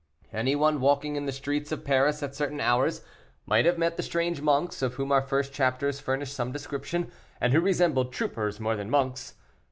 Any one walking in the streets of Paris at certain hours, might have met the strange monks, of whom our first chapters furnished some description, and who resembled troopers more than monks.